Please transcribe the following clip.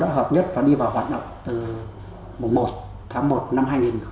học nhất và đi vào hoạt động từ mùa một tháng một năm hai nghìn một mươi chín